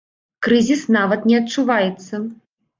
Крызіс нават не адчуваецца.